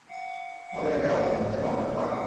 আমাদের এটা খেলা উচিত না -বেছে নাও নয়তো মারা খাও?